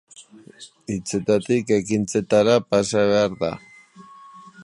Hitzetatik ekintzetara pasa behar da.